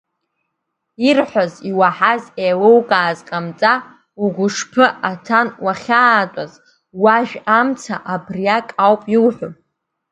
Ирҳәаз, иуаҳаз, еилукааз хамҵа, угәышԥы аҭан уахьаатәаз уажә амца, абриак ауп иуҳәо…